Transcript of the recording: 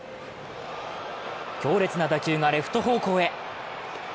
強烈な打球がレフト方向へ。